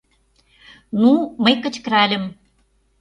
Ну, мый кычкыральым: